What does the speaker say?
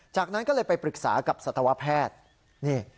จากนั้นก็เลยไปปรึกษากับสัตวแพทย์นี่